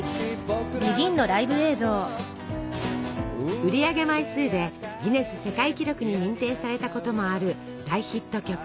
売り上げ枚数でギネス世界記録に認定されたこともある大ヒット曲。